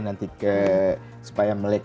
nanti ke supaya melek